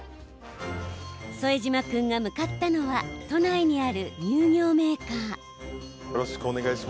副島君が向かったのは都内にある乳業メーカー。